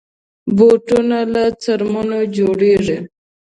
بوټونه له څرمنو جوړېږي.